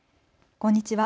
こんにちは。